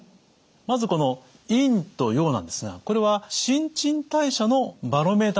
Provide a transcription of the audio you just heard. まずこの陰と陽なんですがこれは新陳代謝のバロメーターなんです。